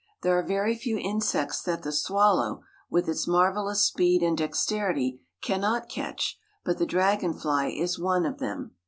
There are very few insects that the swallow, with its marvelous speed and dexterity, cannot catch, but the dragonfly is one them.